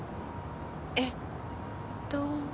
えっと。